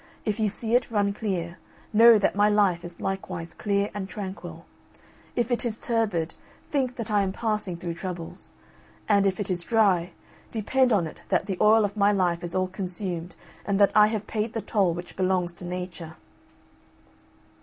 If you see it run clear, know that my life is likewise clear and tranquil. If it is turbid, think that I am passing through troubles; and if it is dry, depend on it that the oil of my life is all consumed and that I have paid the toll which belongs to Nature!"